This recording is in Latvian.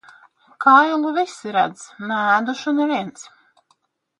Kailu visi redz, neēdušu neviens.